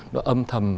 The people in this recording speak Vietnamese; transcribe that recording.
nó âm thầm